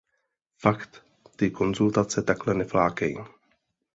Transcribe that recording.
Fakt ty konzultace takhle neflákej.